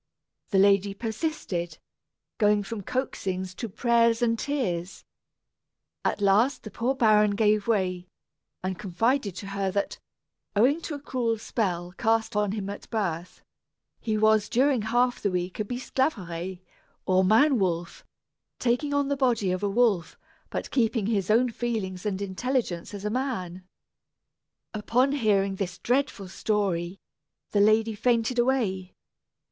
The lady persisted, going from coaxings to prayers and tears. At last the poor baron gave way, and confided to her that, owing to a cruel spell cast on him at birth, he was during half the week a Bisclaveret, or Man Wolf, taking on the body of a wolf, but keeping his own feelings and intelligence as a man. Upon hearing this dreadful story, the lady fainted away.